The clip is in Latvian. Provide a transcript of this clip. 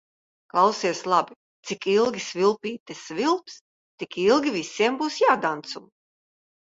Klausies labi: cik ilgi svilpīte svilps, tik ilgi visiem būs jādanco.